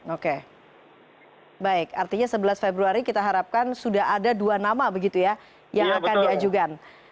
oke baik artinya sebelas februari kita harapkan sudah ada dua nama begitu ya yang akan diajukan